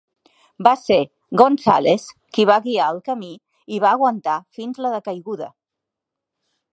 Va ser Gonzalez qui va guiar el camí i va aguantar fins la decaiguda.